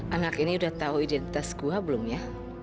anak ini udah tau identitas gue belum ya